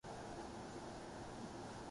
نبضِ خس سے تپشِ شعلہٴ سوزاں سمجھا